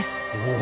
お！